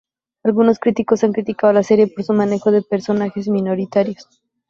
Algunos críticos han criticado la serie por su manejo de personajes minoritarios.